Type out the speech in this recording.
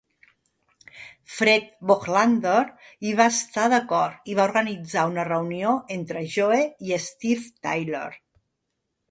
Fred Bohlander hi va estar d'acord i va organitzar una reunió entre Joe i Steven Tyler.